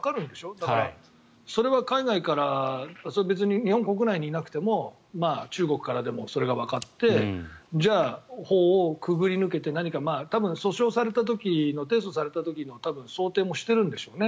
だから、それは海外から別に日本国内にいなくても中国からでもそれがわかってじゃあ、法を潜り抜けて多分、訴訟された時の提訴された時の想定もしているんでしょうね。